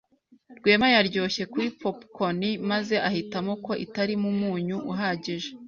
Rwema yaryoshye kuri popcorn maze ahitamo ko itarimo umunyu uhagije,